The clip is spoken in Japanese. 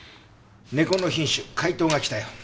猫の品種回答が来たよ。